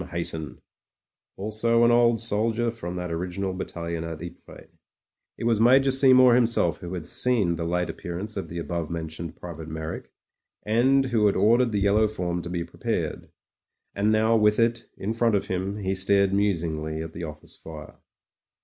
Hajrton, also an old soldier from that original battalion at Ypres. It was Major Seymour himself who had seen the late appearance of the above mentioned Private Meyrick, and who had ordered the yellow form to be prepared. 52 MEN, WOMEN AND GUNS And now with it in front of him, he stared musingly at the office fire.